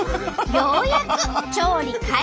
ようやく調理開始。